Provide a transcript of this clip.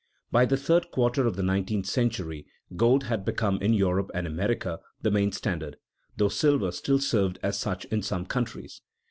By the third quarter of the nineteenth century gold had become in Europe and America the main standard, though silver still served as such in some countries.